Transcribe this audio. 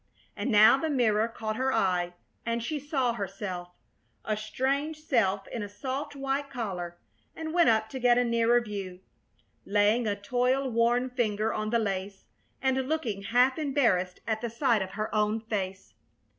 And now the mirror caught her eye, and she saw herself, a strange self in a soft white collar, and went up to get a nearer view, laying a toil worn finger on the lace and looking half embarrassed at sight of her own face.